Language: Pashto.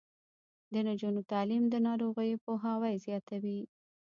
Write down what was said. د نجونو تعلیم د ناروغیو پوهاوی زیاتوي.